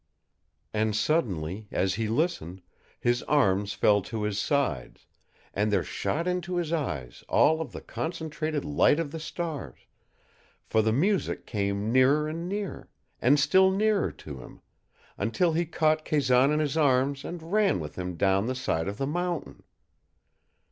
And suddenly, as he listened, his arms fell to his sides, and there shot into his eyes all of the concentrated light of the stars, for the music came nearer and nearer, and still nearer to him, until he caught Kazan in his arms and ran with him down the side of the mountain.